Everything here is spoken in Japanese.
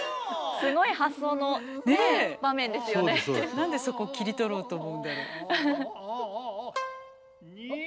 何でそこ切り取ろうと思うんだろ？